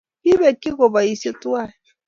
kibekyi koboisio tuwai